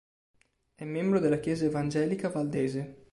È membro della Chiesa Evangelica Valdese.